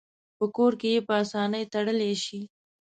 په کور کې یې په آسانه تړلی شي.